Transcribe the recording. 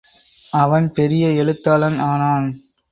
அவன் பெரிய எழுத்தாளன் ஆனான்.